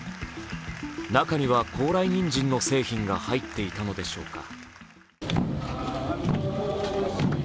中には、高麗人参の製品が入っていたのでしょうか。